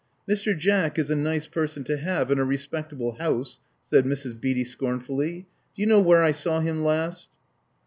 '*Mr. Jack is a nice person to have in a respectable house," said Mrs. Beatty scornfully. ''Do you knpw where I saw him last?"